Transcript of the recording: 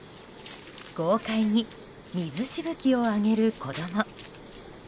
豪快に水しぶきを上げる子供。